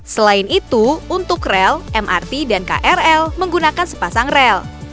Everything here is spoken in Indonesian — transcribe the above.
selain itu untuk rel mrt dan krl menggunakan sepasang rel